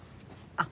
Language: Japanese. あっ。